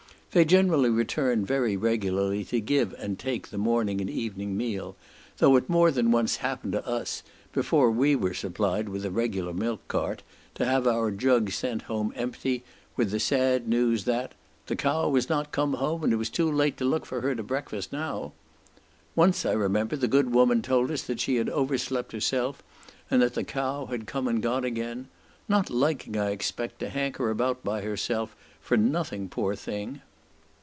They generally return very regularly to give and take the morning and evening meal; though it more than once happened to us, before we were supplied by a regular milk cart, to have our jug sent home empty, with the sad news that "the cow was not come home, and it was too late to look for her to breakfast now." Once, I remember, the good woman told us that she had overslept herself, and that the cow had come and gone again, "not liking, I expect, to hanker about by herself for nothing, poor thing."